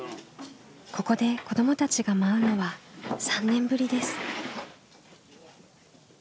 ここで子どもたちが舞うのは３年ぶりです。